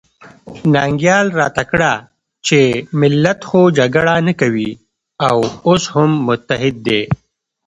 ننګیال راته کړه چې ملت خو جګړه نه کوي او اوس هم متحد دی.